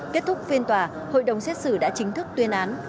kết thúc phiên tòa hội đồng xét xử đã chính thức tuyên án